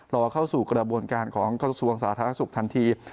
รอเข้าสู่กระบวนการของกระทรวงสาธารณสุขทันที